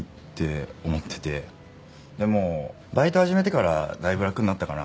でもバイト始めてからだいぶ楽になったかな。